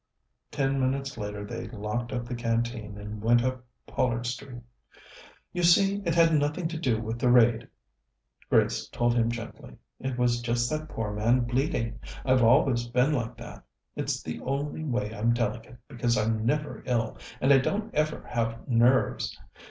Ten minutes later they locked up the Canteen and went up Pollard Street. "You see, it had nothing to do with the raid," Grace told him gently. "It was just that poor man bleeding. I've always been like that; it's the only way I'm delicate, because I'm never ill, and I don't ever have nerves.